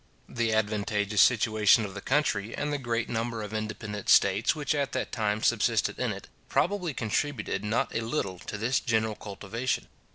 The advantageous situation of the country, and the great number of independent status which at that time subsisted in it, probably contributed not a little to this general cultivation.